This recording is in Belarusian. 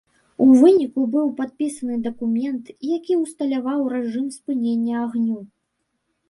У выніку, быў падпісаны дакумент, які усталяваў рэжым спынення агню.